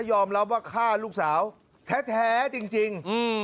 ยอมรับว่าฆ่าลูกสาวแท้จริง